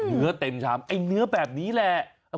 เนื้อเต็มชามไอ้เนื้อแบบนี้แหละ